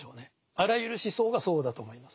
あらゆる思想がそうだと思いますね。